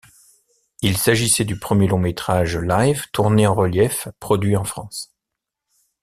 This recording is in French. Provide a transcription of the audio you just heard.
Il s'agissait du premier long métrage live tourné en relief produit en France.